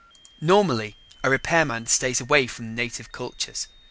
Normally, a repairman stays away from native cultures.